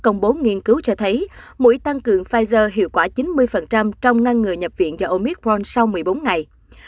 công bố nghiên cứu cho thấy mũi tăng cường pfizer hiệu quả chín mươi trong ngăn ngừa nhập viện do omicrone sau một mươi bốn ngày